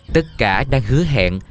tất cả đang hứa hẹn